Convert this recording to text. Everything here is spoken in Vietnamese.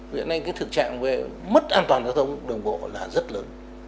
việc này cái thực trạng về mất an toàn giao thông đồng bộ là rất lớn